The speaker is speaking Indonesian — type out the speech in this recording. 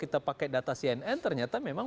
kita pakai data cnn ternyata memang